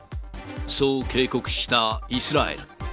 そう警告したイスラエル。